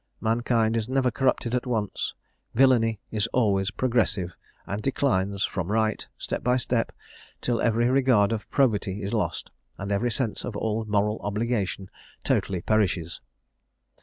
Mankind is never corrupted at once. Villany is always progressive, and declines from right, step by step, till every regard of probity is lost, and every sense of all moral obligation totally perishes.